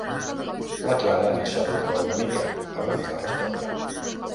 La Clara en xarrupa una mica, abans de respondre.